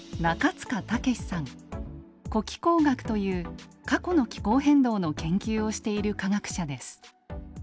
「古気候学」という過去の気候変動の研究をしている科学者です。